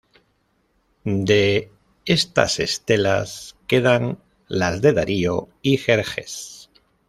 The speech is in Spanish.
De estas estelas, quedan las de Darío y Jerjes.